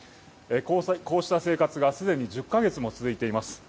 こうした生活が既に１０か月も続いています。